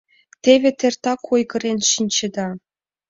— Те вет эртак ойгырен шинчеда...